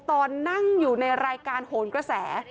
ตอนนั่งอยู่ในรายการโหนกระแส